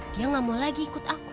dia gak mau lagi ikut aku